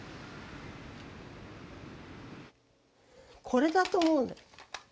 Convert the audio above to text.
これだと思うの。